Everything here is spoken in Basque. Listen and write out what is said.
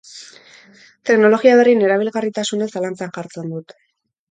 Teknologia berrien erabilgarritasuna zalantzan jartzen dut.